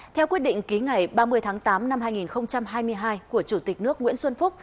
theo quyết định ký ngày ba mươi tháng tám năm hai nghìn hai mươi hai của chủ tịch nước nguyễn xuân phúc